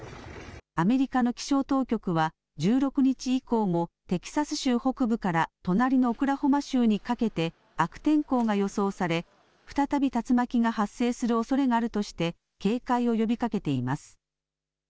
アメリカの気象当局は、１６日以降もテキサス州北部から隣のオクラホマ州にかけて悪天候が予想され、再び竜巻が発生するおそれがあるとして、警戒を呼びかけています。